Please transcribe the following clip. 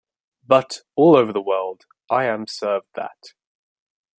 But, all over the world, I am served that.